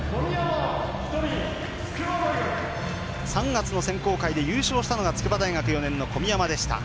３月の選考会で優勝したのが筑波大学の込山でした。